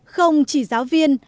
không chỉ giáo viên